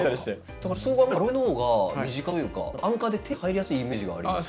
だからそう考えるとアロエの方が身近というか安価で手に入りやすいイメージがあります。